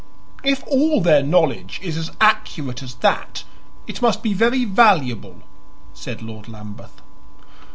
"If all their knowledge is as accurate as that, it must be very valuable," said Lord Lambeth.